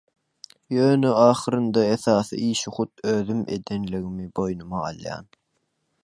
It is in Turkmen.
Ýöne ahyrynda esasy işi hut özüm edenligimi boýnuma alýan.